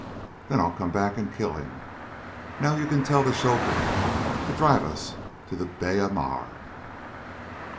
Then I'll come back and kill him. Now you can tell the chauffeur to drive us to the Biera Mar."